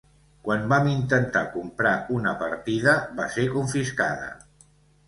Quan vam intentar comprar una partida, va ser confiscada.